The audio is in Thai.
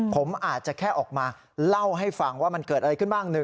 ผมอาจจะแค่ออกมาเล่าให้ฟังว่ามันเกิดอะไรขึ้นบ้าง